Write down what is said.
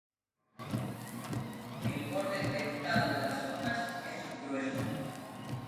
El borde dentado de las hojas es grueso.